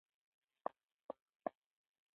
ترهګریز سازمانونه د بې ګناه خلکو ژوند ته خطر پېښوي.